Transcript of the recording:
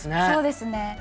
そうですね。